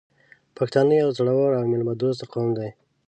پښتانه یو زړور او میلمه دوست قوم دی .